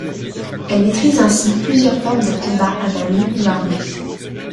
Elle maîtrise ainsi plusieurs formes de combat à mains nues ou armées.